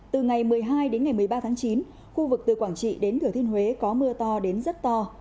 từ ngày một mươi hai đến ngày một mươi ba tháng chín khu vực từ quảng trị đến thừa thiên huế có mưa to đến rất to